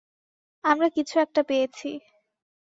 আমরা কিছু একটা পেয়েছি।